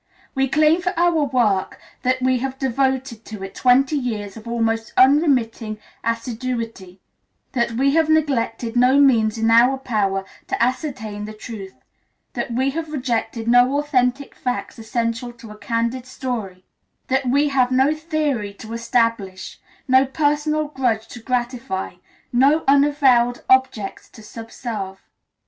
We claim for our work that we have devoted to it twenty years of almost unremitting assiduity; that we have neglected no means in our power to ascertain the truth; that we have rejected no authentic facts essential to a candid story; that we have had no theory to establish, no personal grudge to gratify, no unavowed objects to subserve.